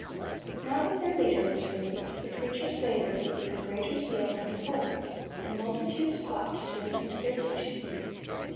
Now that their leader was removed, the preachers labored with even greater zeal than before, and multitudes flocked to listen to their teachings.